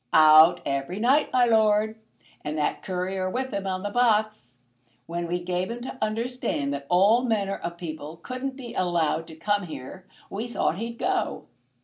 "Out every night, my lord, and that Courier with him on the box. When we gave him to understand that all manner of people couldn't be allowed to come here, we thought he'd go."